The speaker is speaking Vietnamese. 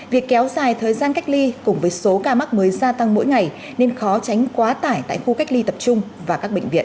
việc kéo dài thời gian cách ly cùng với số ca mắc mới gia tăng mỗi ngày nên khó tránh quá tải tại khu cách ly tập trung và các bệnh viện